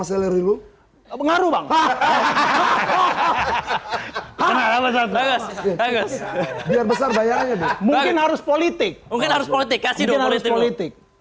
selerilu mengaruh bang hahaha hahaha biar besar bayarnya mungkin harus politik politik